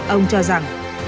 ông cho rằng